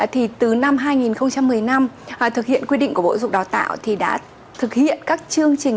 thì từ năm hai nghìn một mươi năm thực hiện quy định của bộ dục đào tạo thì đã thực hiện các chương trình